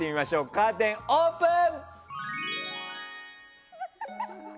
カーテン、オープン！